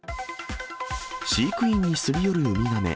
飼育員にすり寄るウミガメ。